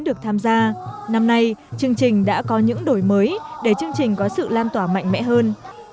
được tham gia năm nay chương trình đã có những đổi mới để chương trình có sự lan tỏa mạnh mẽ hơn